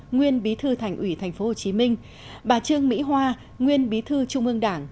nguyên bí thư thành ủy tp hcm bà trương mỹ hoa nguyên bí thư trung ương đảng